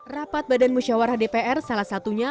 rapat badan musyawarah dpr salah satunya